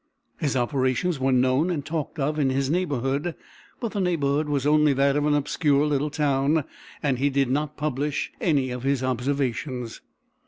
His operations were known and talked of in his neighbourhood; but the neighbourhood was only that of an obscure little town; and he did not publish any of his observations.